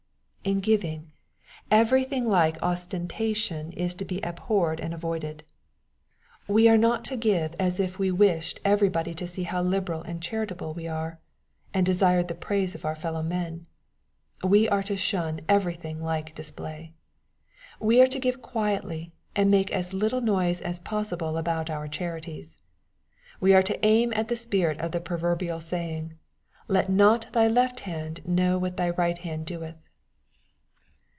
In giving, everything like osteTdation is to be abhorred tMd avoided. We are not to give as if we wished every 46 KXP0SIT0B7 THOUaUTll. • bodj to see how liberal and charitable we aie^ and desired the praise of our fellow men« We are to shun eyerything like display. We are to give qtuetly^ and make as little noise as possible about our charities. Wo are to aim at the spirit of the proverbial saying, ^'Let not thy left hand know what thy right hand doeth.''